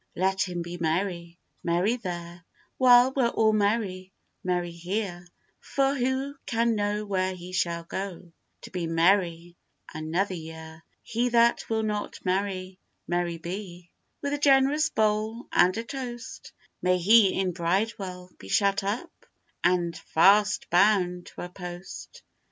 Let him be merry, merry there, While we're all merry, merry here, For who can know where he shall go, To be merry another year. He that will not merry, merry be, With a generous bowl and a toast, May he in Bridewell be shut up, And fast bound to a post.